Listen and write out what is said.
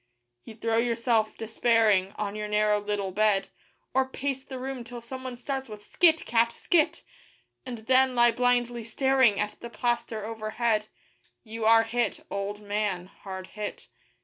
You throw yourself, despairing, on your narrow little bed, Or pace the room till someone starts with 'Skit! cat! skit!' And then lie blindly staring at the plaster overhead You are hit, old man hard hit.